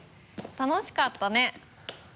楽しかったね。